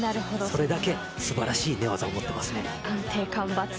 それだけ素晴らしい寝技を持っています。